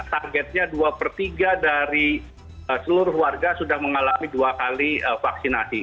targetnya dua per tiga dari seluruh warga sudah mengalami dua kali vaksinasi